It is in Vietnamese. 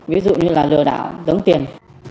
ví dụ như là lừa đảo giống tiền